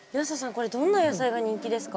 これどんな野菜が人気ですか？